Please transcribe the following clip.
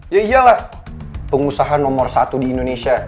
ya iyalah pengusaha nomor satu di indonesia